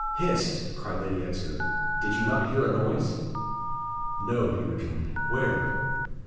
"Hist!" cried Lady Exeter. "Did you not hear a noise?" "No," he rejoined. "Where?"